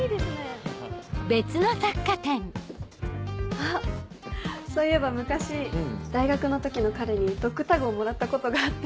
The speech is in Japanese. あっそういえば昔大学の時の彼にドッグタグをもらったことがあって。